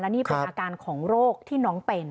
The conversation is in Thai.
นี่เป็นอาการของโรคที่น้องเป็น